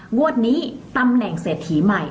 งวดนี้ตำแหน่งเศรษฐีใหม่